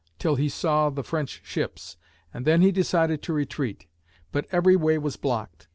till he saw the French ships, and then he decided to retreat. But every way was blocked.